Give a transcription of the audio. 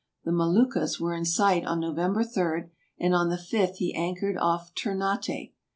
The Moluccas were in sight on November 3, and on the fifth he anchored off Ternate.